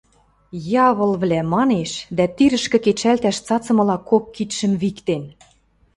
– Явылвлӓ!.. – манеш дӓ тирӹшкӹ кечӓлтӓш цацымыла кок кидшӹм виктен